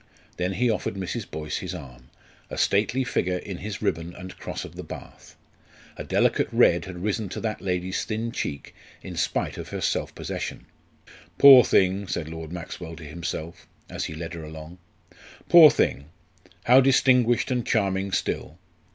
Then he offered Mrs. Boyce his arm, a stately figure in his ribbon and cross of the Bath. A delicate red had risen to that lady's thin cheek in spite of her self possession. "Poor thing," said Lord Maxwell to himself as he led her along "poor thing! how distinguished and charming still!